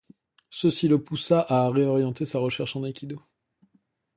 Ceci le poussa à réorienter sa recherche en aïkido.